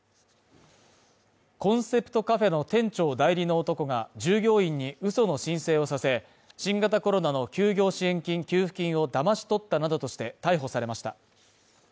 コンセプトカフェの店長代理の男が従業員に嘘の申請をさせ、新型コロナの休業支援金・給付金をだまし取ったなどとして逮捕されました。